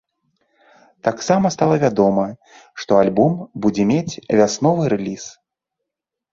Таксама стала вядома, што альбом будзе мець вясновы рэліз.